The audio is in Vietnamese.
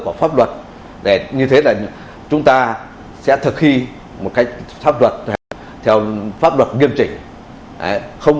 của pháp luật để như thế là chúng ta sẽ thực thi một cách pháp luật theo pháp luật nghiêm chỉnh không